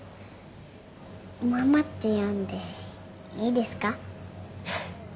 ママって呼んでいいですか？